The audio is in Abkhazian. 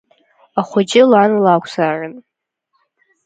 Ахәыҷы лан лакәзаарын.